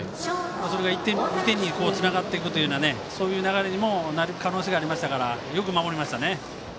それが２点につながっていく流れにもなる可能性がありましたからよく守りましたね。